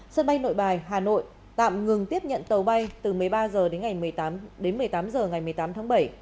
sân bay nội bài hà nội tạm ngừng tiếp nhận tàu bay từ một mươi ba h đến ngày một mươi một h ngày một mươi tám tháng bảy